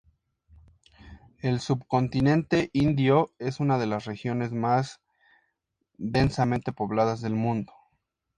El subcontinente indio es una de las regiones más densamente pobladas del mundo.